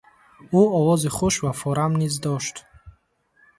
Ӯ овози хуш ва форам низ дошт.